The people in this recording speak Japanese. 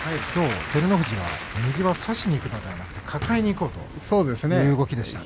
照ノ富士は右を差しにいくのではなく抱えにいく動きでしたね。